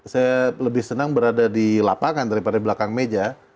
saya lebih senang berada di lapangan daripada belakang meja